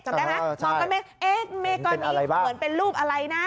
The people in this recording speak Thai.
จำได้ไหมมองกันเมฆเมฆก้อนนี้เหมือนเป็นรูปอะไรนะ